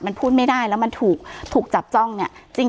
มันพูดไม่ได้แล้วมันถูกจับจ้องเนี่ย